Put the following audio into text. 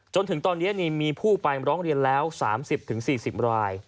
จนถึงตอนนี้มีผู้ไปร้องเรียนแล้ว๓๐๔๐ราย